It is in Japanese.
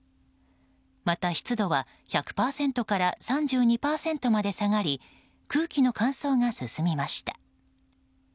また、湿度は１００％から３２％まで下がり空気の乾燥が進みました。